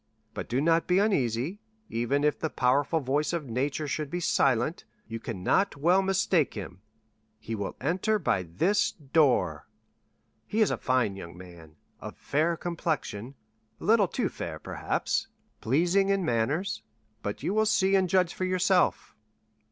But do not be uneasy; even if the powerful voice of nature should be silent, you cannot well mistake him; he will enter by this door. He is a fine young man, of fair complexion—a little too fair, perhaps—pleasing in manners; but you will see and judge for yourself."